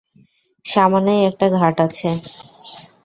সামনেই একটা ঘাট আছে।